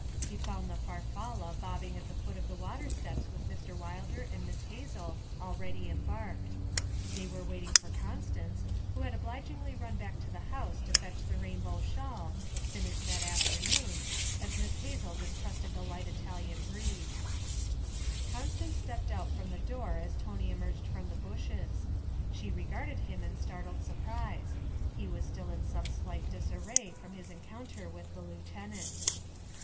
He found the Farfalla bobbing at the foot of the water steps with Mr. Wilder and Miss Hazel already embarked. They were waiting for Constance, who had obligingly run back to the house to fetch the rainbow shawl (finished that afternoon) as Miss Hazel distrusted the Italian night breeze. Constance stepped out from the door as Tony emerged from the bushes. She regarded him in startled surprise; he was still in some slight disarray from his encounter with the lieutenant.